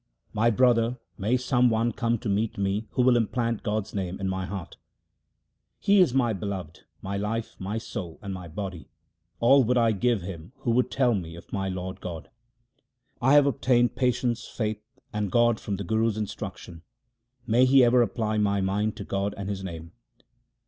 My brother, may some one come to meet me who will implant God's name in my heart ! He is my Beloved, my life, my soul, and my body ; all would I give him who would tell me of my Lord God. 1 have obtained patience, faith, and God from the Guru's instruction ; may he ever apply my mind to God and His name